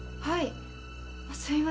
はい。